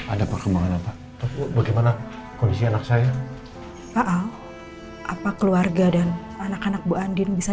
ada perkembangannya pak bagaimana kondisi anak saya pak al apa keluarga dan anak anak bu andin bisa